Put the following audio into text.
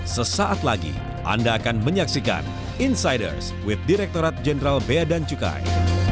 sesaat lagi anda akan menyaksikan insiders with direktorat jenderal beadan cukai